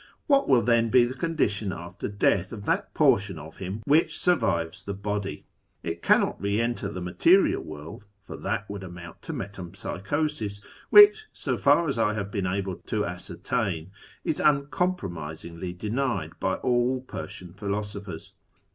What will then be the condition after death of that portion of him which survives the body ? It cannot re enter the material world, for that 140 .; VKAR AMOXGST THE I'EKSIAiWS would amount to Metempsychosis, vvliich, so fiir as I liavo been able to ascertain, is uncompromisin^^ly denied liy all Persian pliilosopliers.